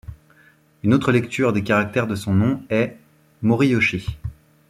Une autre lecture des caractères de son nom est Moriyoshi.